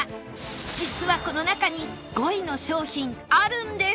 実はこの中に５位の商品あるんです